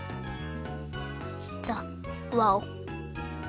ざっ！わお。